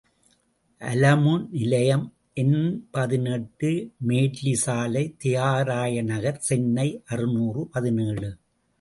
அலமு நிலையம் எண் பதினெட்டு , மேட்லி சாலை, தியாகராய நகர், சென்னை அறுநூறு பதினேழு .